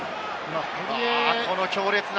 この強烈な。